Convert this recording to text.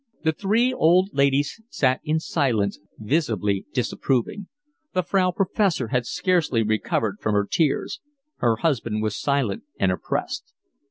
The three old ladies sat in silence, visibly disapproving: the Frau Professor had scarcely recovered from her tears; her husband was silent and oppressed.